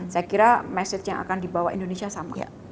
saya kira message yang akan dibawa indonesia sama